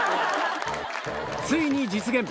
ついに実現！